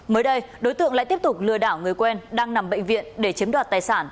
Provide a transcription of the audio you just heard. mới đây đối tượng lại tiếp tục lừa đảo người quen đang nằm bệnh viện để chiếm đoạt tài sản